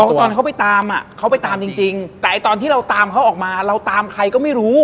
ตอนเขาไปตามอ่ะเขาไปตามจริงแต่ตอนที่เราตามเขาออกมาเราตามใครก็ไม่รู้